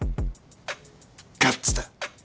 ガッツだ！